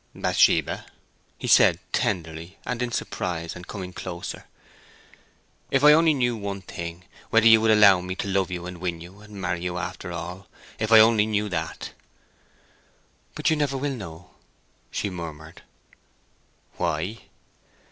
"Bathsheba," he said, tenderly and in surprise, and coming closer: "if I only knew one thing—whether you would allow me to love you and win you, and marry you after all—if I only knew that!" "But you never will know," she murmured. "Why?"